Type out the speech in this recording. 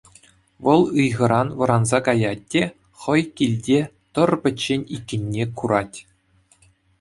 Вӑл ыйхӑран вӑранса каять те хӑй килте тӑр пӗччен иккенне курать.